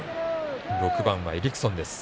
６番はエリクソンです。